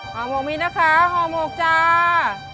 ห่อหมกนี้นะคะห่อหมกจ้า